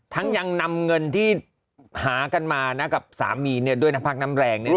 ทั้งยังนำเงินที่หากันมานะกับสามีเนี่ยด้วยนักภาคน้ำแรงเนี่ยนะ